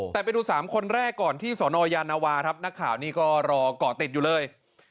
แต่ไปดู๓คนแรกก่อนที่สนยานวาครับนักข่าวนี่ก็รอก่อติดอยู่เลย